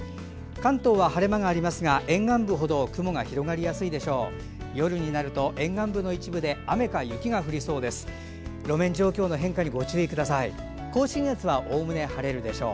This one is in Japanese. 関東は晴れ間がありますが沿岸部ほど雲が広がりやすいでしょう。